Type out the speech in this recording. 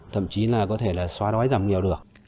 thậm chí là có thể là xóa đói giảm nghèo được